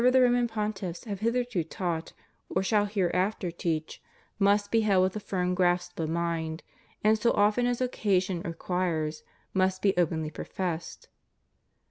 the Roman Pontiffs have hitherto taught, or shall here after teach, must be held with a firm grasp of mind, and, so often as occasion requires, must be openly professed.